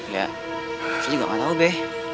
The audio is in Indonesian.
ya saya juga gak tau be